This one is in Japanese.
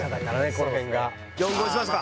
この辺が４５にしますか？